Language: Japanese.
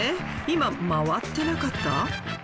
今回ってなかった？